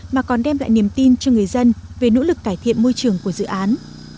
mà còn đem lại niềm tin cho người dân về nỗ lực cải thiện môi trường của dự án